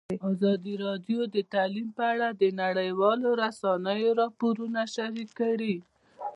ازادي راډیو د تعلیم په اړه د نړیوالو رسنیو راپورونه شریک کړي.